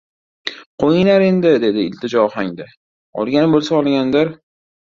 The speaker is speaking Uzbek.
— Qo‘yinglar endi, — dedi iltijoli ohangda. —Olgan bo‘lsa olgandir.